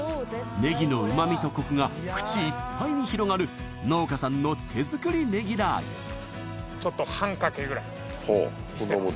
ねぎの旨味とコクが口いっぱいに広がる農家さんの手作りネギ辣油ちょっと半かけぐらいしてます